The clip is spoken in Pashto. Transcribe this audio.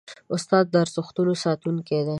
استاد د ارزښتونو ساتونکی دی.